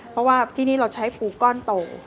เพราะว่าที่นี่เราใช้ปูก้อนโต